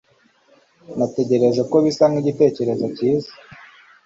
Natekereje ko bisa nkigitekerezo cyiza.